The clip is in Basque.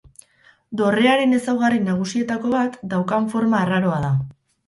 Dorrearen ezaugarri nagusietako bat, daukan forma arraroa da.